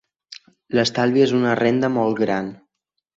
L'estalvi és una renda molt gran.